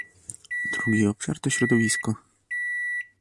Drugi obszar to środowisko